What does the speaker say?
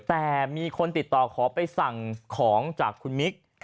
แต่มีคนติดต่อขอไปสั่งของจากคุณมิก